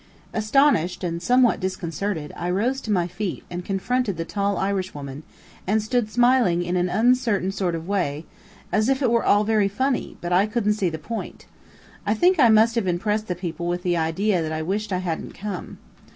Astonished and somewhat disconcerted, I rose to my feet and confronted the tall Irishwoman, and stood smiling in an uncertain sort of a way, as if it were all very funny; but I couldn't see the point. I think I must have impressed the people with the idea that I wished I hadn't come.